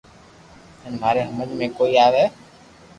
ھين ماري ھمج ۾ ڪوئي آوي